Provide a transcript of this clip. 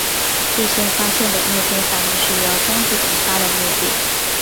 最先发现的裂变反应是由中子引发的裂变。